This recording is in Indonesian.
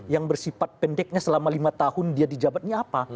yang bersifat pendeknya selama lima tahun dia di jabatnya apa